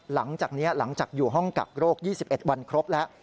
หลังจากอยู่ห้องกักโรค๒๑วันครบแล้ว